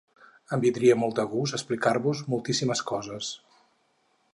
Em vindria molt de gust explicar-vos moltíssimes coses.